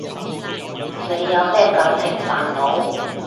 你有咩感情煩惱？